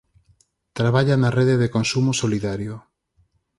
Traballa na Rede de Consumo Solidario.